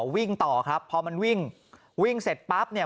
วิ่งต่อครับพอมันวิ่งวิ่งเสร็จปั๊บเนี่ย